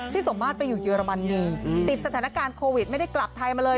สมมาตรไปอยู่เยอรมนีติดสถานการณ์โควิดไม่ได้กลับไทยมาเลย